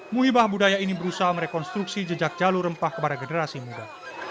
muhibah budaya ini berusaha merekonstruksi jejak jalur rempah kepada generasi muda